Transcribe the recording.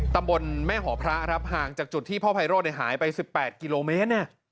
ตำบลแม่หอพระครับห่างจากจุดที่พ่อไพโรธหายไป๑๘กิโลเมตร